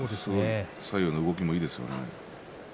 左右の動きもいいですからね。